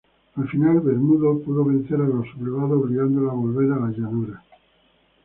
Al final, Bermudo pudo vencer a los sublevados obligándolos a volver a las llanuras.